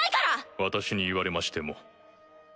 私に言われましても。